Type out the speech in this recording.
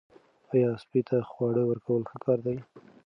آیا سپي ته خواړه ورکول ښه کار دی؟